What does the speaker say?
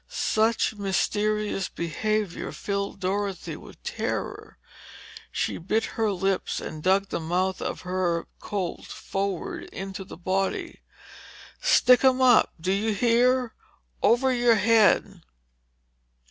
Such mysterious behavior filled Dorothy with terror. She bit her lips and dug the mouth of her Colt forward into the body. "Stick 'em up—do you hear? Over your head!"